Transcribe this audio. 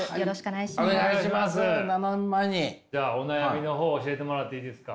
じゃあお悩みの方教えてもらっていいですか？